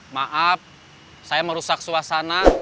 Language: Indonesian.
maaf saya merusak suasana